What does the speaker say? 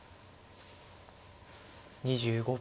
２５秒。